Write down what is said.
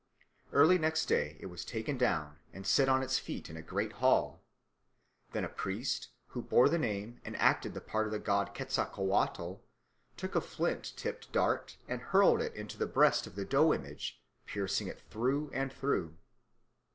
Early next day it was taken down and set on its feet in a great hall. Then a priest, who bore the name and acted the part of the god Quetzalcoatl, took a flint tipped dart and hurled it into the breast of the dough image, piercing it through and through.